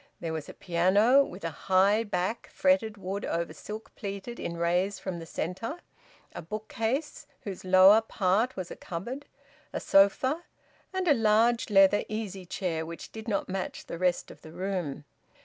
There was a piano, with a high back fretted wood over silk pleated in rays from the centre; a bookcase whose lower part was a cupboard; a sofa; and a large leather easy chair which did not match the rest of the room.